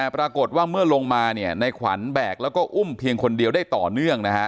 ปรากฏว่าเมื่อลงมาในขวัญแบกแล้วก็อุ้มเพียงคนเดียวได้ต่อเนื่องนะฮะ